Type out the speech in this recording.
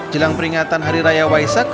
jelang peringatan hari raya waisak